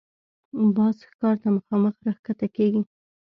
باز ښکار ته مخامخ راښکته کېږي